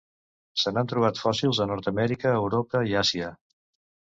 Se n'han trobat fòssils a Nord-amèrica, Europa i Àsia.